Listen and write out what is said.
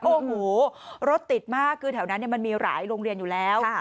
โอ้โหรถติดมากคือแถวนั้นมันมีหลายโรงเรียนอยู่แล้ว